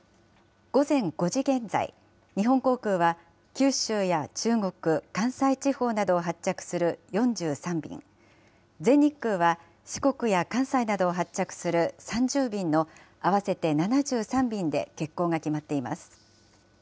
午前５時現在、日本航空は九州や中国、関西地方などを発着する４３便、全日空は四国や関西などを発着する３０便の合わせて７３便で欠航が決まっています。